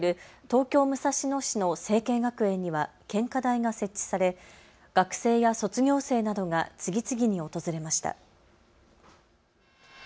東京武蔵野市の成蹊学園には献花台が設置され学生や卒業生などが次々に訪れました。